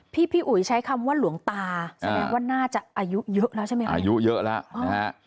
พี่พี่อุ๋ยใช้คำว่าหลวงตาแสดงว่าน่าจะอายุเยอะแล้วใช่ไหมคะอายุเยอะแล้วนะฮะ